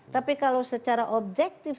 tapi kalau secara objektif